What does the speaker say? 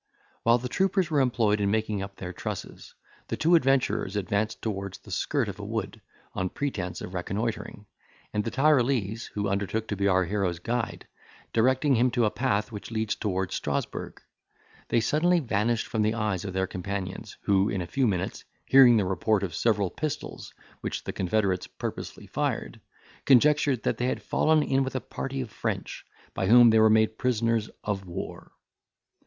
While the troopers were employed in making up their trusses, the two adventurers advanced towards the skirt of a wood, on pretence of reconnoitring, and the Tyrolese, who undertook to be our hero's guide, directing him to a path which leads towards Strasburg, they suddenly vanished from the eyes of their companions, who in a few minutes hearing the report of several pistols, which the confederates purposely fired, conjectured that they had fallen in with a party of French, by whom they were made prisoners of war.